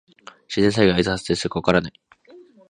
自然災害はいつ発生するかわからない。